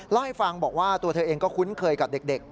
เล่าให้ฟังบอกว่าตัวเธอเองก็คุ้นเคยกับเด็ก